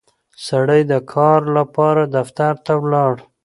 سړی د کار لپاره دفتر ته ولاړ